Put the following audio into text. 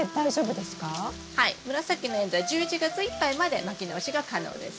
紫のエンドウは１１月いっぱいまでまき直しが可能です。